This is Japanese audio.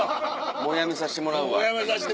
「もうやめさせてもらうわ」って。